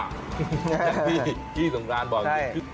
อย่างที่ที่สงครานบอก